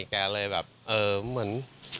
กันเลยแบบเออเหมือน